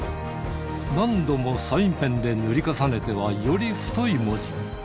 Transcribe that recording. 何度もサインペンで塗り重ねては、より太い文字に。